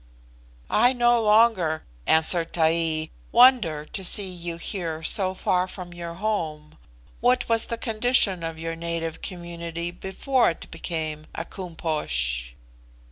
"I no longer," answered Taee, "wonder to see you here so far from your home. What was the condition of your native community before it became a Koom Posh?"